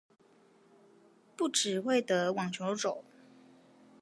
不只會得網球肘